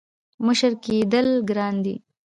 • مشر کېدل ګران دي.